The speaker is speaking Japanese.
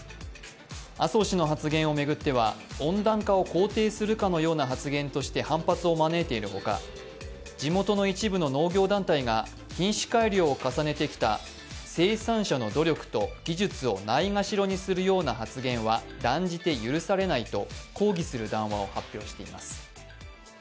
麻生氏の発言を巡っては温暖化を肯定するかのような発言として反発を招いているほか地元の一部の農業団体が品種改良を重ねてきた生産者の努力と技術をないがしろにするような発言は断じて許されないと抗議する談話を発表しています。